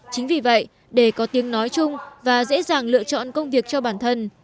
chính vì vậy để có tiếng nói chung và dễ dàng lựa chọn công việc cho bản thân